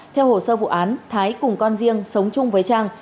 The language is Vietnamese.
theo hồ sơ vụ án thái cùng con riêng sống chung với trang